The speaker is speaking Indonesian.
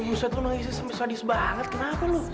ya buset lu nangisnya sampai sadis banget kenapa lu